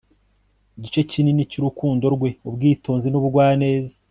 igice kinini cyurukundo rwe, ubwitonzi, nubugwaneza